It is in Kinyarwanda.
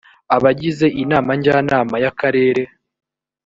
abagize inama njyanama y akarere